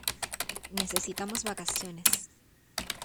Necesitamos vacaciones.